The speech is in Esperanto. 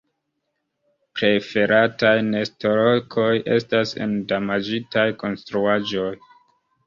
Preferataj nestolokoj estas en damaĝitaj konstruaĵoj.